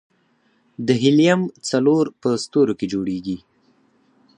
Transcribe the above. د هیلیم څلور په ستورو کې جوړېږي.